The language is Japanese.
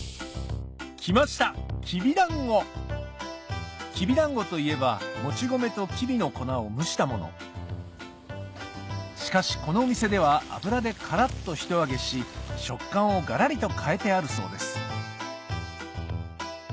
来ましたきびだんごきびだんごといえばもち米ときびの粉を蒸したものしかしこのお店では油でカラっとひと揚げし食感をガラリと変えてあるそうです